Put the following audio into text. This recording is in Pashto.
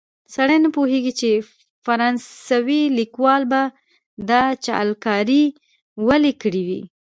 سړی نه پوهېږي چې فرانسوي لیکوال به دا جعلکاري ولې کړې وي.